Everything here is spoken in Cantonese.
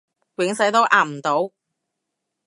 永世都壓唔到